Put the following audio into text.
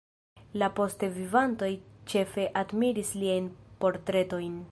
La poste vivantoj ĉefe admiris liajn portretojn.